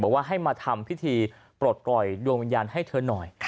ว่าให้มาทำพิธีปลดปล่อยดวงวิญญาณให้เธอหน่อย